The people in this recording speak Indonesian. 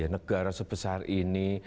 negara sebesar ini